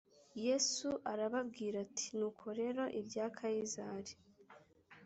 yesu arababwira ati nuko rero ibya kayisari